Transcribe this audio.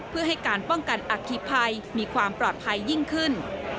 เพื่อให้การป้องกันอคิภัยมีความปลอดภัยยิ่งขึ้น